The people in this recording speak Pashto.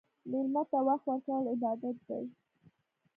مېلمه ته وخت ورکول عبادت دی.